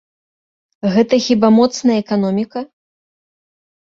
Гэта хіба моцная эканоміка?